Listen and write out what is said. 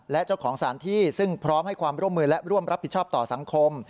และเจ้าของสถานที่ซึ่งพร้อมให้ความร่วมมือและร่วมรับผิดชอบต่อสังคม